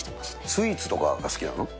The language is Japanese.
スイーツとかが好きなの？